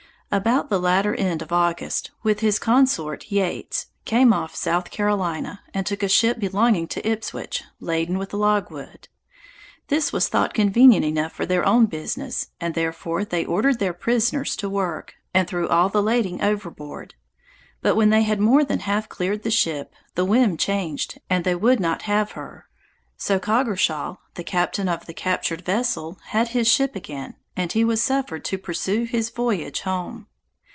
About the latter end of August, with his consort Yeates, came off South Carolina, and took a ship belonging to Ipswich, laden with logwood. This was thought convenient enough for their own business, and therefore they ordered their prisoners to work, and threw all the lading overboard; but when they had more than half cleared the ship, the whim changed, and they would not have her; so Coggershall, the captain of the captured vessel, had his ship again, and he was suffered to pursue his voyage home.